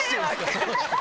その人。